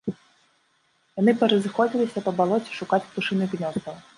Яны паразыходзіліся па балоце шукаць птушыных гнёздаў.